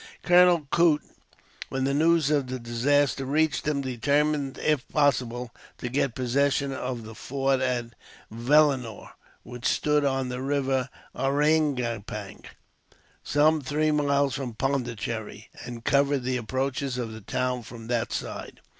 Colonel Coote, when the news of the disaster reached him, determined, if possible, to get possession of the fort of Vellenore, which stood on the river Ariangopang, some three miles from Pondicherry, and covered the approaches of the town from that side.